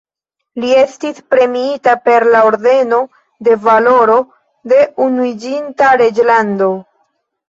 Li estis premiita per la Ordeno de Valoro de Unuiĝinta Reĝlando.